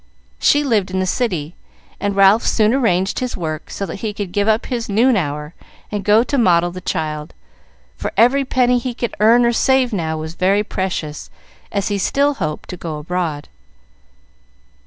She lived in the city, and Ralph soon arranged his work so that he could give up his noon hour, and go to model the child; for every penny he could earn or save now was very precious, as he still hoped to go abroad.